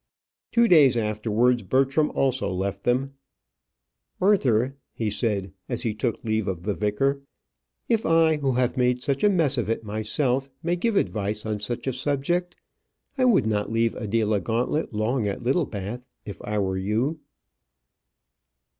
Two days afterwards, Bertram also left them. "Arthur," he said, as he took leave of the vicar, "if I, who have made such a mess of it myself, may give advice on such a subject, I would not leave Adela Gauntlet long at Littlebath if I were you."